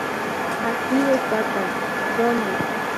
Aquí destacan: ¿Dónde...?